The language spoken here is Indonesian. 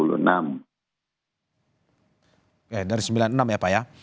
oke dari seribu sembilan ratus sembilan puluh enam ya pak ya